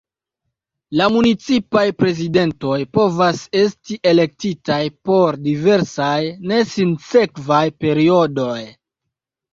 La municipaj prezidentoj povas esti elektitaj por diversaj ne sinsekvaj periodoj.